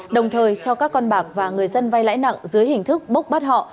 đồng thời cho các con bạc và người dân vay lãi nặng dưới hình thức bốc bắt họ